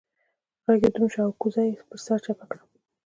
غږ يې دروند شو او کوزه يې پر سر چپه کړه.